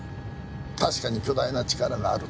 確かに巨大な力がある。